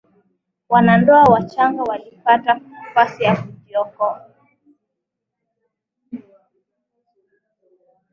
wanandoa wachanga walipata nafasi ya kujiokoa